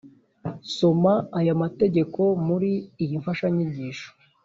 soma aya mategeko muri iyi mfashanyigisho.